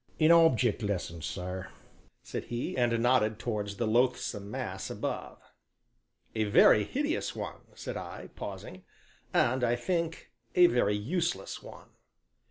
"An object lesson, sir," said he, and nodded towards the loathsome mass above. "A very hideous one!" said I, pausing, "and I think a very useless one."